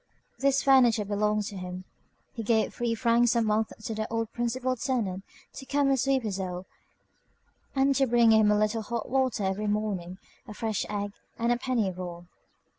This furniture belonged to him. He gave three francs a month to the old principal tenant to come and sweep his hole, and to bring him a little hot water every morning, a fresh egg, and a penny roll.